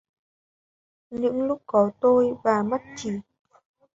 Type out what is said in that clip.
Những lúc có tôi và mắt chỉ...